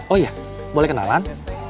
oh iya boleh kenalan